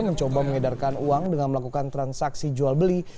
mencoba mengedarkan uang dengan melakukan transaksi jual beli